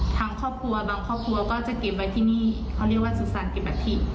ทางครอบครัวบางครอบครัวก็จะเก็บไว้ที่นี่เขาเรียกว่าสุสานเก็บอัฐิ